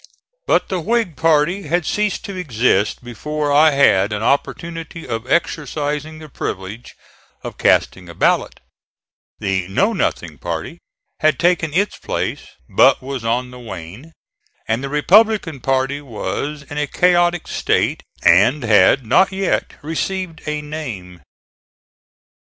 But the Whig party had ceased to exist before I had an opportunity of exercising the privilege of casting a ballot; the Know Nothing party had taken its place, but was on the wane; and the Republican party was in a chaotic state and had not yet received a name.